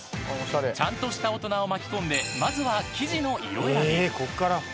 ［ちゃんとした大人を巻き込んでまずは］